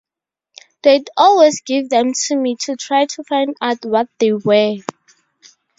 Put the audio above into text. They'd always give them to me to try to find out what they were!